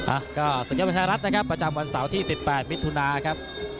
อ่ะก็ศุกริยบรรชารัฐนะครับประจำวันเสาร์ที่สิบแปดมิถุนาครับ